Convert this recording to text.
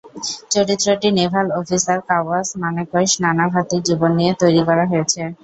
চরিত্রটি naval officer Kawas Manekshaw নানাভাতির জীবন নিয়ে তৈরি করা হয়েছে।